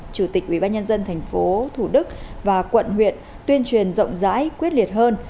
chủ tịch ủy ban nhân dân tp thủ đức và quận huyện tuyên truyền rộng rãi quyết liệt hơn